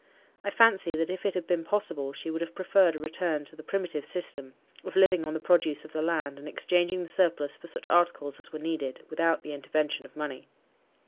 I fancy that if it had been possible, she would have preferred a return to the primitive system, of living on the produce of the land, and exchanging the surplus for such articles as were needed, without the intervention of money.